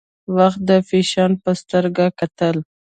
وخت د فیشن په سترګه کتل.